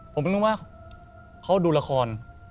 ผมก็นึกว่าเขาดูละคร